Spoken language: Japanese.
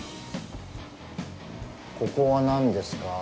ここは何ですか？